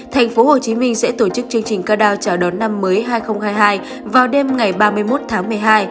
tp hcm sẽ tổ chức chương trình cao đao chào đón năm mới hai nghìn hai mươi hai vào đêm ngày ba mươi một tháng một mươi hai